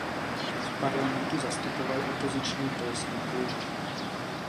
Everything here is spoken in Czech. V parlamentu zastupoval opoziční Polský klub.